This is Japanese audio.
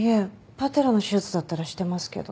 パテラの手術だったらしてますけど。